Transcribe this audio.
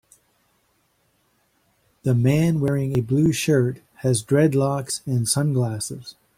The man wearing a blue shirt has dreadlocks and sunglasses.